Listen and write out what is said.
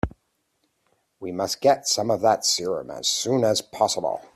We must get some of that serum as soon as possible.